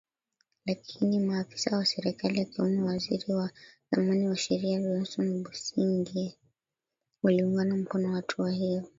lakini maafisa wa serikali akiwemo waziri wa zamani wa sheria Johnston Busingye waliunga mkono hatua hiyo